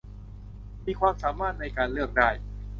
มีความสามารถในการเลือกได้